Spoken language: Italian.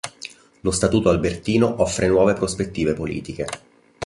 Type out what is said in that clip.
Lo Statuto albertino offre nuove prospettive politiche.